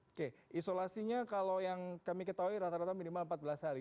oke isolasinya kalau yang kami ketahui rata rata minimal empat belas hari